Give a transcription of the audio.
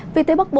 về tới bắc bộ